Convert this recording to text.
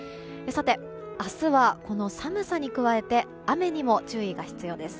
さて、明日はこの寒さに加えて雨にも注意が必要です。